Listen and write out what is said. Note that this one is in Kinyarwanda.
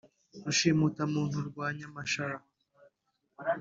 Rushimutamuntu rwa Nyamashara